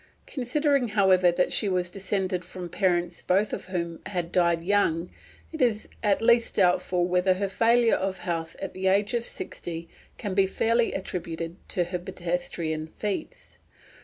Considering, however, that she was descended from parents both of whom had died young, it is at least doubtful whether her failure of health at the age of sixty can be fairly attributed to her pedestrian feats.